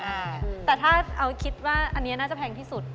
แต่ถ้าอ้อนนี้คิดว่านักจะแพงที่สุด